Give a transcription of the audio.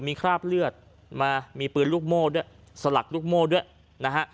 มีคราบเลือดมามีปืนลูกโม่ด้วยสลักลูกโม่ด้วยนะฮะ